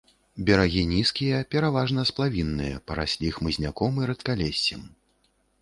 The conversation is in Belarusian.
Берагі нізкія, пераважна сплавінныя, параслі хмызняком і рэдкалессем.